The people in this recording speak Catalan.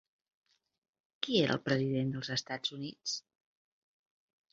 Qui era el president dels Estats Units?